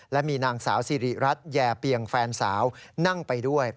และมีนางสาวสิริรัตน์แย่เปียงแฟนสาวนั่งไปด้วย